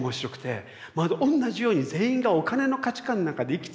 また同じように全員がお金の価値観なんかで生きてみなよ。